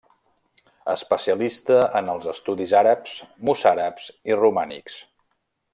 Especialista en els estudis àrabs, mossàrabs i romànics.